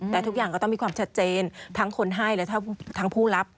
แต่ทุกอย่างก็ต้องมีความชัดเจนทั้งคนให้และทั้งผู้รับ